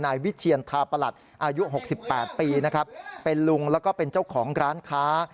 นายวิเชียนทาประหลัดอายุ๖๘ปีนะครับเป็นลุงแล้วก็เป็นเจ้าของร้านค้า